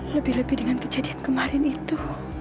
lebih lebih dengan kejadian kemarin itu